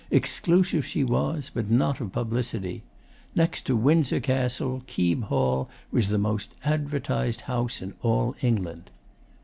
Exclusive she was, but not of publicity. Next to Windsor Castle, Keeb Hall was the most advertised house in all England.